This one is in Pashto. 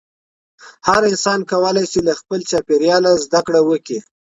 هر انسان کولی شي له خپل چاپېریاله زده کړه وکړي.